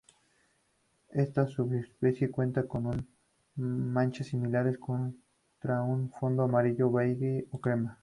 Esta subespecie cuenta con manchas similares contra un fondo amarillo beige o crema.